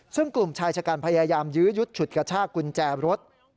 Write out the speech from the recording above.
ซึ่งกลุ่มชายชะกันพยายามยื้อยุดฉุดกระชากกุญแจรถ